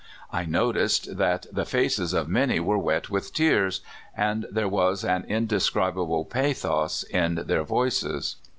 I noticed that the faces of many were wet with tears, and there was an indescribable pathos in their voices.